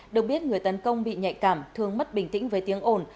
được biết người tấn công bị nhạy cảm thường mất bình tĩnh với tiếng ồn